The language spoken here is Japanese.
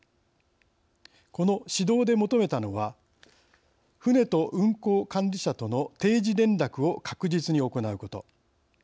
この指導で求めたのは船と運航管理者との定時連絡を確実に行うこと。